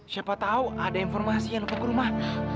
siapa tahu ada informasi yang ke rumah